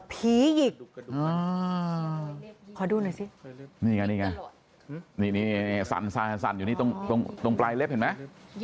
ผีหยิกอ๋อขอดูหน่อยสินี่ไงสั่นอยู่ในตรงปลายเล็กเห็นไหม